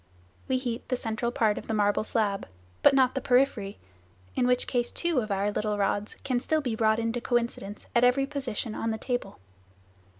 We heat the central part of the marble slab, but not the periphery, in which case two of our little rods can still be brought into coincidence at every position on the table.